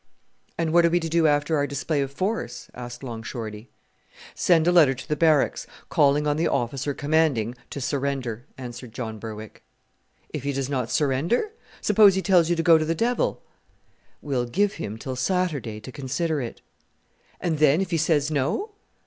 "And what are we to do after our display of force?" asked Long Shorty. "Send a letter to the Barracks, calling on the officer commanding to surrender," answered John Berwick. "If he does not surrender? Suppose he tells you to go to the devil?" "We'll give him till Saturday to consider it." "And then, if he says no?"